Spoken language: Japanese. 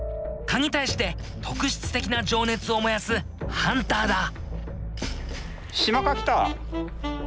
蚊に対して特質的な情熱を燃やすハンターだ。